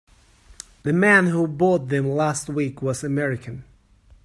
The man who bought them last week was American.